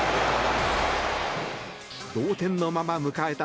同点のまま迎えた